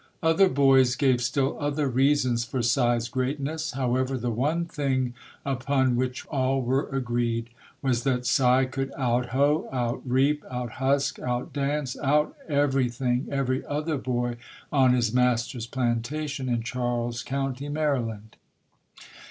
Other boys gave still other reasons for Si's greatness. However, the one thing upon which all were agreed was that Si could out hoe, out reap, out husk, out dance, out everything every other boy on his master's plantation in Charles County, Maryland.